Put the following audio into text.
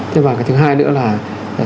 thứ hai nữa là